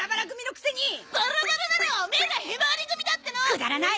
くだらない！